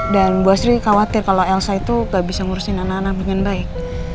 dan bu astri khawatir kalau elsa itu gak bisa ngurusin anak anak dengan baik